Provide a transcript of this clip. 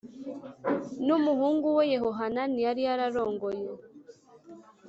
n umuhungu we Yehohanani yari yararongoye